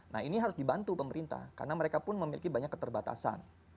nah ini harus dibantu pemerintah karena mereka pun memiliki banyak keterbatasan